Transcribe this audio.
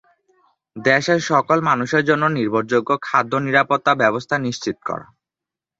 দেশের সকল মানুষের জন্য নির্ভরযোগ্য খাদ্য নিরাপত্তা ব্যবস্থা নিশ্চিত করা।